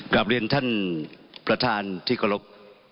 กับเรียนท่านประธานที่กระลก